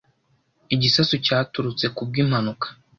Igisasu cyaturutse ku bw'impanuka.